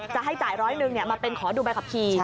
จะให้จ่ายร้อยหนึ่งเนี่ยมาเป็นขอดูบัยกรับที